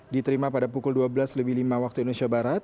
diterima pada pukul dua belas lebih lima waktu indonesia barat